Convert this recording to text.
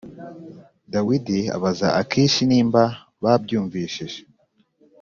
dawidi abaza akishi nimba babyumvishije